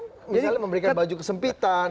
misalnya memberikan baju kesempitan